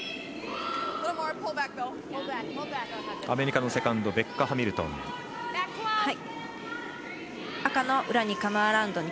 アメリカのセカンドベッカ・ハミルトン。